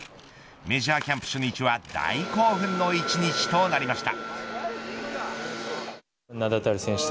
メジャーキャンプ初日は大興奮の１日となりました。